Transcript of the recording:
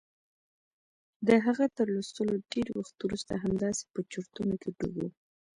د هغه تر لوستلو ډېر وخت وروسته همداسې په چورتونو کې ډوب و.